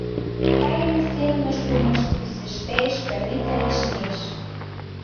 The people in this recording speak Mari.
Кайыме семын ошкылмышт писештеш, граница лишемеш.